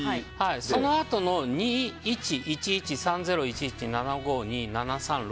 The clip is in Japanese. そのあとの２１１１３０１１７５２７３６